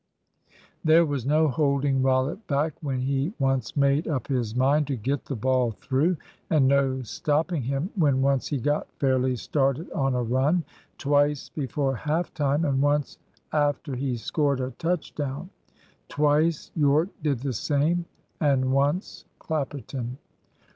There was no holding Rollitt back when he once made up his mind to get the ball through; and no stopping him when once he got fairly started on a run. Twice before half time and once after he scored a touch down. Twice Yorke did the same, and once Clapperton.